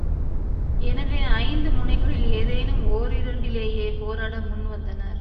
எனவே ஐந்து முனைகளில் ஏதேனும் ஒரிரண்டிலேயே போராட முன்வந்தனர்.